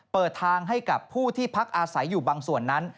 เปิดทางให้กับผู้ที่พักอาศัยอยู่บางส่วนนั้น